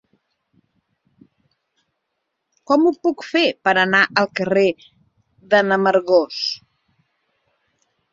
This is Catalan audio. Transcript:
Com ho puc fer per anar al carrer de n'Amargós?